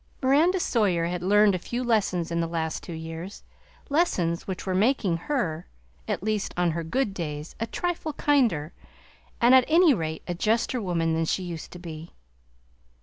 Miranda Sawyer had learned a few lessons in the last two years, lessons which were making her (at least on her "good days") a trifle kinder, and at any rate a juster woman than she used to be.